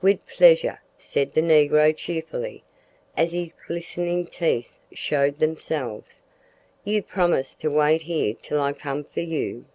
"Wid pleasure," said the negro cheerfully, as his glistening teeth showed themselves. "You promise to wait here till I come for you?"